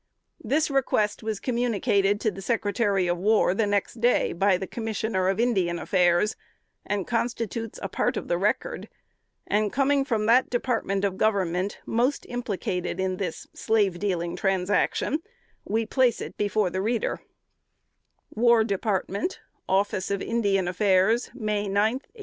This request was communicated to the Secretary of War the next day, by the Commissioner of Indian Affairs, and constitutes a part of the record; and, coming from that department of government most implicated in this slave dealing transaction, we place it before the reader: "WAR DEPARTMENT, Office of Indian Affairs, May 9, 1838.